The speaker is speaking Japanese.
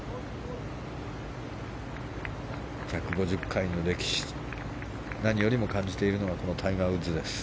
１５０回の歴史を何よりも感じているのがこのタイガー・ウッズです。